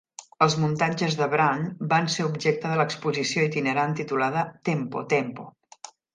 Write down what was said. Els muntatges de Brandt van ser objecte de l'exposició itinerant titulada 'Tempo, Tempo!'.